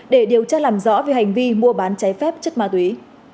để điều tra làm rõ về hành vi mua bán cháy phép chất ma túy